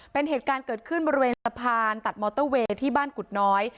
เป็นเหตุการณ์เกิดขึ้นบริเวณสะพานตัดมอเตอร์เวย์ที่บ้านกุฎน้อย